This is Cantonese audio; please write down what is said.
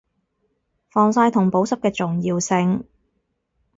防曬同保濕嘅重要性